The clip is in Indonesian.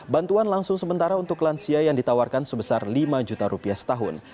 bantuan langsung sementara untuk lansia yang ditawarkan sebesar lima juta rupiah setahun